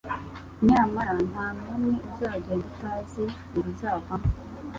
nyamara nta n'umwe uzagenda utazi ibizavamo